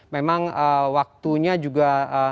memang waktunya juga